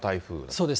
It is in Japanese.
そうです。